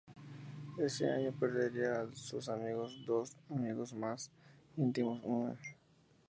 Ese año perdería a sus dos amigos más íntimos, Mme.